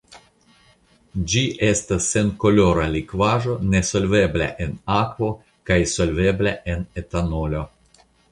Ĝi estas senkolora likvaĵo nesolvebla en akvo kaj solvebla en etanolo.